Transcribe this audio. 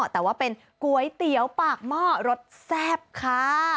แต่ว่าเป็นก๋วยเตี๋ยวปากหม้อรสแซ่บค่ะ